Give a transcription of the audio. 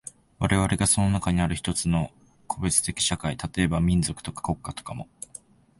我々がその中にある一つの個別的社会、例えば民族とか国家とかも、